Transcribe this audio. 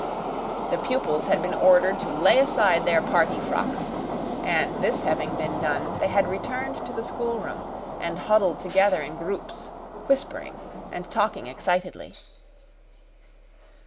The pupils had been ordered to lay aside their party frocks; and this having been done, they had returned to the schoolroom and huddled together in groups, whispering and talking excitedly.